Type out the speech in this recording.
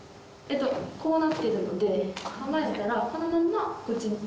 こうなってるので構えたらこのまんまこっちに。